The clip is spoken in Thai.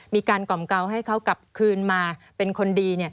มีการกล่อมเกาะให้เขากลับคืนมาเป็นคนดี